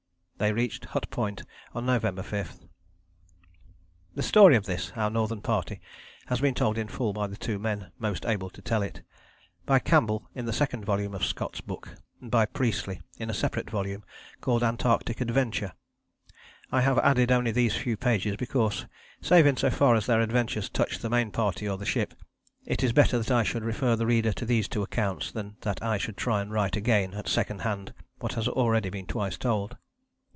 They reached Hut Point on November 5. The story of this, our Northern Party, has been told in full by the two men most able to tell it: by Campbell in the second volume of Scott's book, by Priestley in a separate volume called Antarctic Adventure. I have added only these few pages because, save in so far as their adventures touch the Main Party or the Ship, it is better that I should refer the reader to these two accounts than that I should try and write again at second hand what has been already twice told.